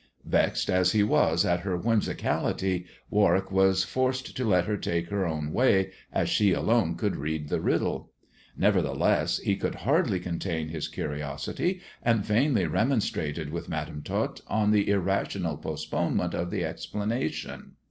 Vexed as he was at her whimsicality, Warwick was forced to let her take her own way, as she alone could read the riddle. Nevertheless he could hardly contain his curiosity, and vainly remon strated with Madam Tot on the irrational postponement of the explanation.